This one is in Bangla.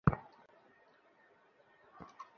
আমাকে দেখতে কেমন লাগছে?